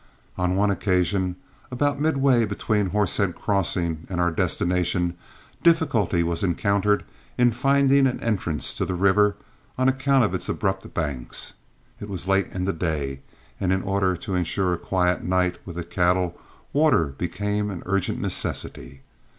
On one occasion, about midway between Horsehead Crossing and our destination, difficulty was encountered in finding an entrance to the river on account of its abrupt banks. It was late in the day, and in order to insure a quiet night with the cattle water became an urgent necessity.